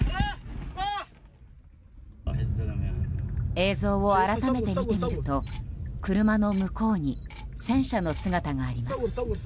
映像を改めて見てみると車の向こうに戦車の姿があります。